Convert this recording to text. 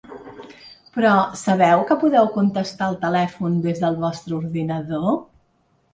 Però sabeu que podeu contestar el telèfon des del vostre ordinador?